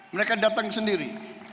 mereka datang sendiri